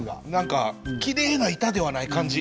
きれいな板ではない感じ。